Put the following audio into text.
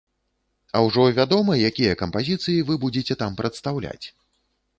А ўжо вядома, якія кампазіцыі вы будзеце там прадстаўляць?